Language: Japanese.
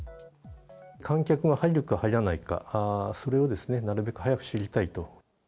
観客が入るか入らないか、それをなるべく早く知りたいと。